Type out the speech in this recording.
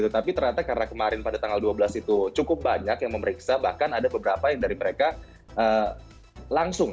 tapi ternyata karena kemarin pada tanggal dua belas itu cukup banyak yang memeriksa bahkan ada beberapa yang dari mereka langsung